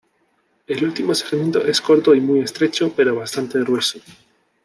El último segmento es corto y muy estrecho, pero bastante grueso.